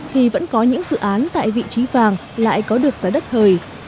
thì vẫn có những dự án tại vị trí vàng lại có được giá đất thời